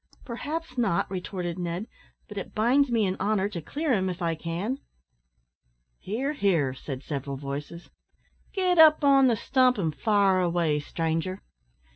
"Perhaps not," retorted Ned; "but it binds me in honour to clear him, if I can." "Hear, hear," said several voices; "get up on the stump an' fire away, stranger."